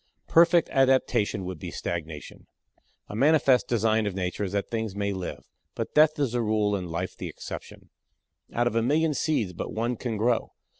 Perfect adaptation would be stagnation. A manifest design of Nature is that things may live. But death is the rule and life the exception. Out of a million seeds but one can grow.